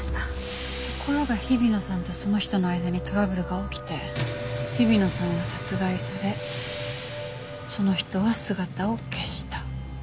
ところが日比野さんとその人の間にトラブルが起きて日比野さんは殺害されその人は姿を消した。